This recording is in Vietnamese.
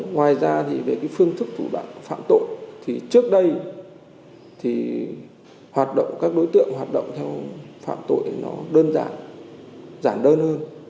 ngoài ra thì về cái phương thức thủ đoạn phạm tội thì trước đây thì các đối tượng hoạt động theo phạm tội nó đơn giản giản đơn hơn